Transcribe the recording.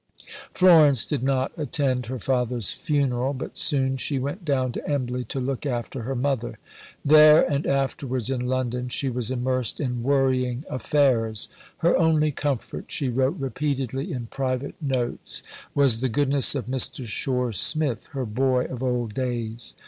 Florence did not attend her father's funeral, but soon she went down to Embley to look after her mother. There, and afterwards in London, she was immersed in worrying affairs. Her only comfort, she wrote repeatedly in private notes, was the "goodness" of Mr. Shore Smith "her boy" of old days.